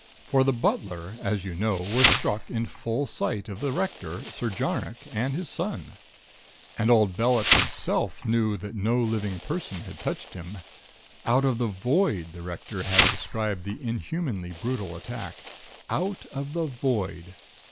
For the butler, as you know, was struck in full sight of the Rector, Sir Jarnock and his son. And old Bellett himself knew that no living person had touched him.... 'Out of the Void,' the Rector had described the inhumanly brutal attack. 'Out of the Void!'